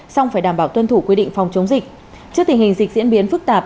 xong phải đảm bảo tuân thủ quy định phòng chống dịch trước tình hình dịch diễn biến phức tạp